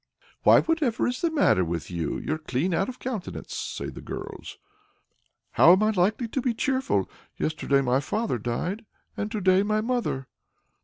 "Why, whatever's the matter with you? you're clean out of countenance!" say the girls. "How am I likely to be cheerful? Yesterday my father died, and to day my mother."